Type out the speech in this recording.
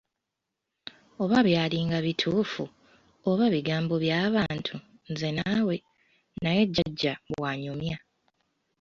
Oba byalinga bituufu, oba bigambo bya bantu nze naawe, naye Jjajja bw'anyumya.